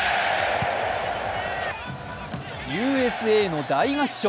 ＵＳＡの大合唱。